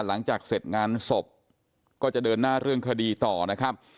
หลังจากเสร็จงานศพก็จะเดินหน้าเรื่องคดีต่อนะครับ